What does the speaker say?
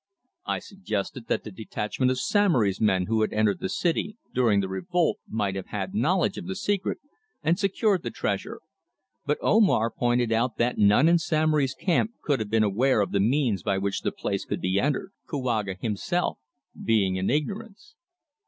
I suggested that the detachment of Samory's men who had entered the city during the revolt might have had knowledge of the secret and secured the treasure, but Omar pointed out that none in Samory's camp could have been aware of the means by which the place could be entered, Kouaga himself being in ignorance.